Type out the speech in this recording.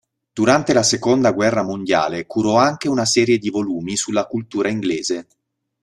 Durante la seconda guerra mondiale curò anche una serie di volumi sulla cultura inglese.